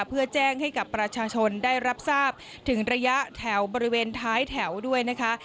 เพื่อแจ้งให้กับประชาชนได้รับทราบถึงระยะแถวบริเวณท้ายแถวด้วยนะคะ